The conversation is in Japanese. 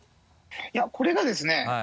いやこれがですね